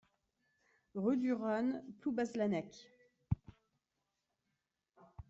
Rue du Rhun, Ploubazlanec